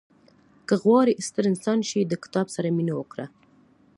• که غواړې ستر انسان شې، د کتاب سره مینه وکړه.